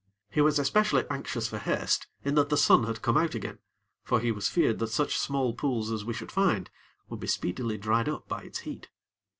He was especially anxious for haste, in that the sun had come out again; for he was feared that such small pools as we should find would be speedily dried up by its heat.